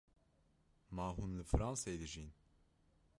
Ma hûn li Fransayê dijîn?